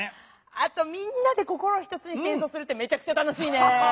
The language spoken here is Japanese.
あとみんなで心を一つにしてえんそうするってめちゃくちゃ楽しいね。